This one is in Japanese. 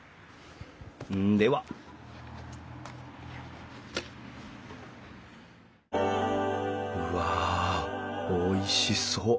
ではうわおいしそう。